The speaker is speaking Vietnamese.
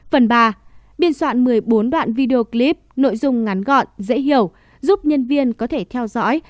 phần ba biên soạn một mươi bốn đoạn video clip nội dung ngắn gọn dễ hiểu giúp nhân viên có thể theo dõi